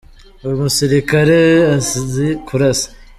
umusirikare azi kurasa.